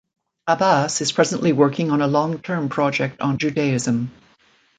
Abbas is presently working on a long-term project on Judaism.